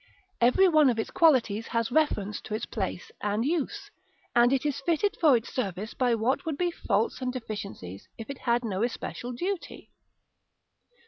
Every one of its qualities has reference to its place and use: and it is fitted for its service by what would be faults and deficiencies if it had no especial duty.